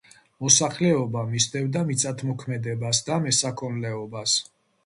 მოსახლეობა მისდევდა მიწათმოქმედებას და მესაქონლეობას.